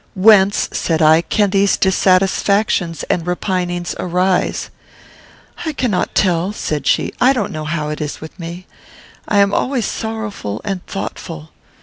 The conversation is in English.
"Whence," said I, "can these dissatisfactions and repinings arise?" "I cannot tell," said she; "I don't know how it is with me. I am always sorrowful and thoughtful.